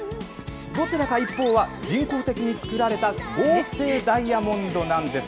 どちらか一方は人工的に作られた合成ダイヤモンドなんです。